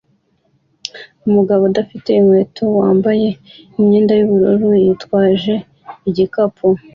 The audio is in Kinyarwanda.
Umugabo udafite inkweto wambaye imyenda yubururu yitwaje igikapu